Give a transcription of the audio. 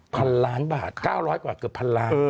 พันล้านบาท๙๐๐กว่าเกือบพันล้าน